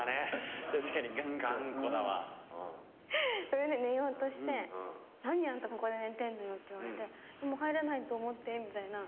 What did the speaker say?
それで寝ようとして「何あんたここで寝てんのよ」って言われて「もう入れないと思って」みたいな。